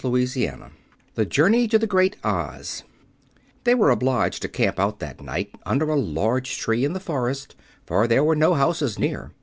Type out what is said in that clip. Chapter VII The Journey to the Great Oz They were obliged to camp out that night under a large tree in the forest, for there were no houses near.